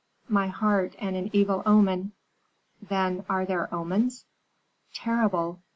My heart and an evil omen." "Then are there omens?" "Terrible.